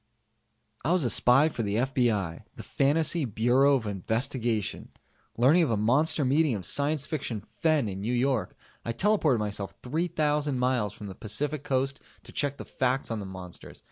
I was a spy for the FBI the Fantasy Bureau of Investigation! Learning of a monster meeting of science fiction "fen" in New York, I teleported myself 3,000 miles from the Pacificoast to check the facts on the monsters.